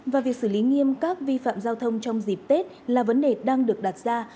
và việc xử lý nghiêm các vi phạm giao thông trong dịp tết là vấn đề đang được đặt ra